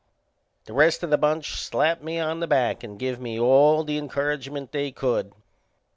The rest o' the bunch slapped me on the back and give me all the encouragement they could.